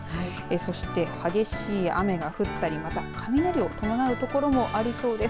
そして激しい雨が降ったりまた雷を伴うところもありそうです。